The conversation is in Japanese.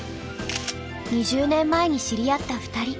２０年前に知り合った２人。